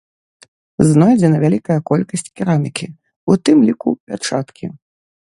Знойдзена вялікая колькасць керамікі, у тым ліку пячаткі.